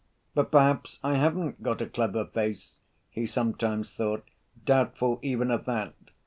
"But perhaps I haven't got a clever face?" he sometimes thought, doubtful even of that.